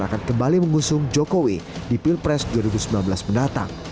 akan kembali mengusung jokowi di pilpres dua ribu sembilan belas mendatang